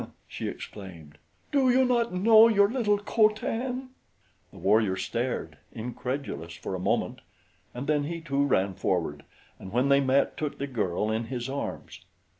she exclaimed. "Do you not know your little Co Tan?" The warrior stared, incredulous, for a moment, and then he, too, ran forward and when they met, took the girl in his arms.